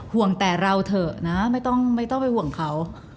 ห่วงแต่เราเถอะนะไม่ต้องไปห่วงเขา